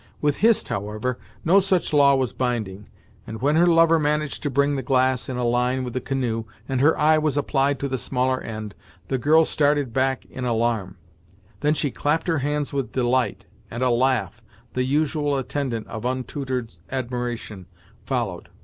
With Hist, however, no such law was binding, and when her lover managed to bring the glass in a line with the canoe, and her eye was applied to the smaller end, the girl started back in alarm; then she clapped her hands with delight, and a laugh, the usual attendant of untutored admiration, followed.